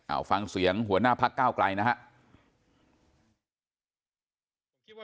เอาฟังเสียงหัวหน้าพักก้าวไกลนะครับ